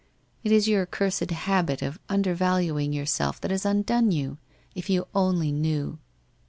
... It is your cursed habit of undervaluing yourself that has undone you, if you only knew